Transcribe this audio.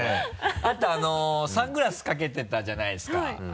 あとサングラスかけてたじゃないですか。